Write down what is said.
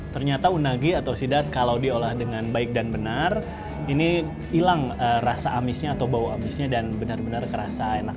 ternyata unagi atau sidat kalau diolah dengan baik dan benar ini hilang rasa amisnya atau bau amisnya dan benar benar kerasa enak